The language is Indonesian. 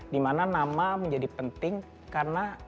di mana nama menjadi penting karena